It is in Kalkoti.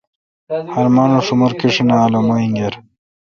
ہر مانوش شومور کیشیناں الومہ اینگر